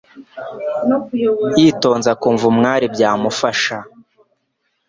yitonze akumva umwarimu byamufasha